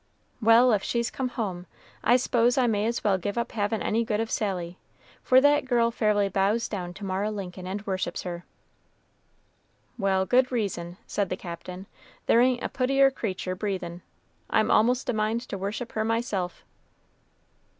"Well, if she's come home, I s'pose I may as well give up havin' any good of Sally, for that girl fairly bows down to Mara Lincoln and worships her." "Well, good reason," said the Captain. "There ain't a puttier creature breathin'. I'm a'most a mind to worship her myself."